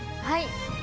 はい！